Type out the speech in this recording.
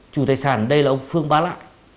chủ tài sản đây là ông phương ba lạ